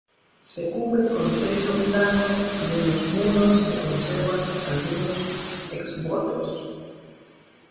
Se cubre con techo plano y en los muros se conservan algunos exvotos.